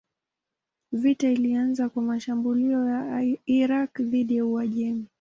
Vita ilianza kwa mashambulio ya Irak dhidi ya Uajemi.